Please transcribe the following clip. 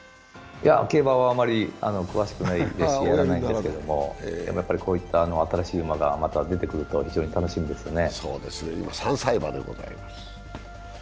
競馬はあまり詳しくないです、やらないんですけど、こういった新しい馬がまた出てくると非常に楽しみですよね。